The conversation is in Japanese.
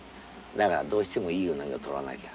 だからどうしてもいいウナギを取らなきゃ。